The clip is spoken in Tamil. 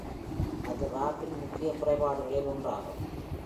அது ராபின் முக்கிய குறைபாடுகளில் ஒன்றாகும்.